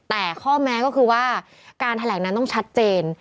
แต่ข้อแม้ก็คือว่าการแถลงนั้นต้องชัดเจน